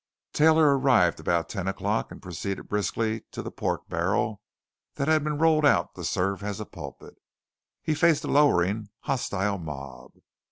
Taylor arrived about ten o'clock and proceeded briskly to the pork barrel that had been rolled out to serve as a pulpit. He faced a lowering, hostile mob.